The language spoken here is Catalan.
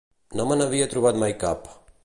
No me n'havia trobat mai cap.